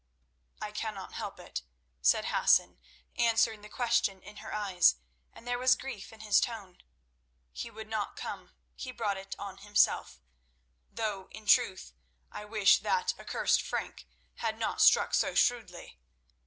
"I cannot help it," said Hassan, answering the question in her eyes, and there was grief in his tone. "He would not come, he brought it on himself; though in truth I wish that accursed Frank had not struck so shrewdly.